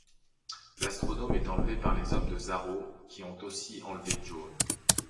L'astronome est enlevé par les hommes de Zarro, qui ont aussi enlevé Joan.